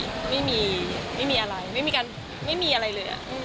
ก็ปกติไม่มีอะไรไม่มีอะไรเลยอะ